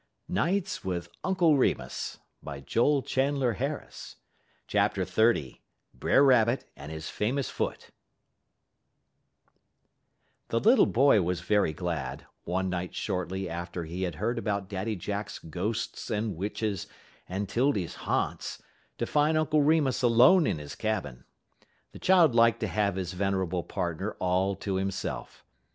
[Illustration: Brother Rabbit and his Famous Foot] XXX BRER RABBIT AND HIS FAMOUS FOOT The little boy was very glad, one night shortly after he had heard about Daddy Jack's ghosts and witches and 'Tildy's "ha'nts," to find Uncle Remus alone in his cabin. The child liked to have his venerable partner all to himself.